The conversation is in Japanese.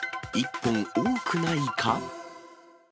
１本多くないか。